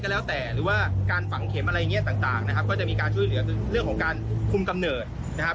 ก็สามารถมาบอกได้อย่างคุมกำเนิด